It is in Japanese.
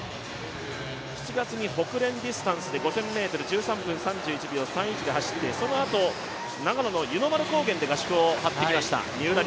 ７月にホクレン・ディスタンスで５０００ｍ、１３分３１秒３１で走ってそのあと、長野の高原でトレーニングしました。